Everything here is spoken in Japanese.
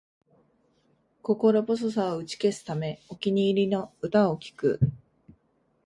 心細さを打ち消すため、お気に入りの歌を聴く